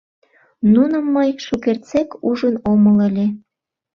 Нуным мый шукертсек ужын омыл ыле.